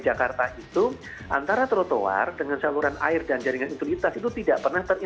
padahal persoalan besar besar kita terbesar di jakarta itu antara protowar dengan saluran air dan jaringan utilitas itu tidak pernah terintegrasi